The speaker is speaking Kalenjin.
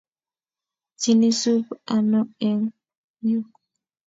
Sinisub ano eng yu?